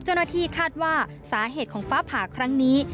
เจ้าหน้าที่คาดว่าสาเหตุของฟ้าผ่าครั้งนี้